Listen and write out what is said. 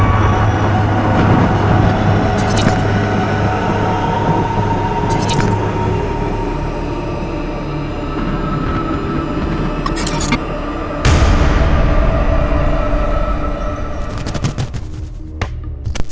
มันกลับมากขึ้น